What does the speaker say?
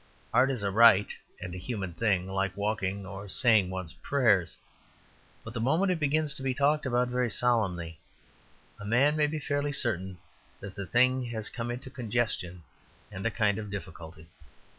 Art is a right and human thing, like walking or saying one's prayers; but the moment it begins to be talked about very solemnly, a man may be fairly certain that the thing has come into a congestion and a kind of difficulty.